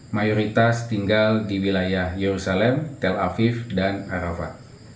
mayoritas tinggal di wilayah yerusalem tel aviv dan arafah